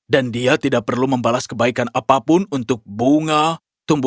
dan dia tidak perlu membalas kebaikan apapun untuk bungamu